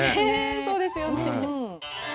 そうですよね。